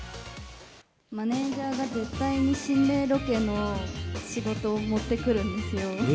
マネジャーが絶対に心霊ロケの仕事を持ってくるんですよ。